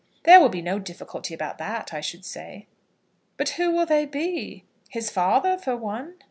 "There will be no difficulty about that, I should say." "But who will they be, his father for one?"